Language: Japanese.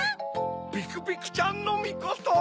ビクビクちゃんのみこと？